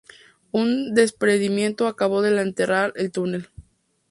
Un desprendimiento acabó de enterrar el túnel.